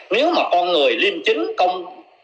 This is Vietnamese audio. nếu mà con người liên chính công